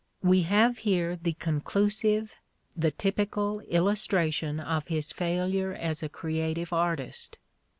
We have here the conclusive, the typical, illustration of his failure as a creative artist.